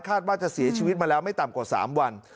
ว่าจะเสียชีวิตมาแล้วไม่ต่ำกว่า๓วัน